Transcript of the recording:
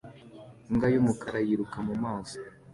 imbwa y'umukara yiruka mu mazi